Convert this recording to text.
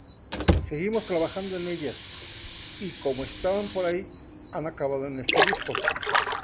Seguimos trabajando en ellas y, como estaban por ahí, han acabado en este disco.